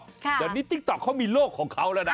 หมู่ยางด์เนี้ยมีโลกของเขาเนี้ยนะ